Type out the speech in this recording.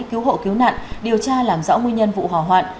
cứu hộ cứu nạn điều tra làm rõ nguyên nhân vụ hỏa hoạn